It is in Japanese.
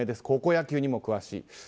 高校野球にも詳しい。